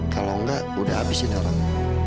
kalau nggak udah abisin orang